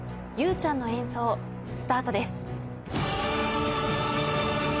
ゆうちゃんの演奏スタートです。